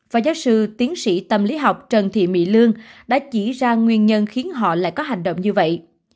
và giáo sư tiến sĩ tâm lý học trần thị mỹ lương đã chỉ ra nguyên nhân khiến họ lại có hành động như vậy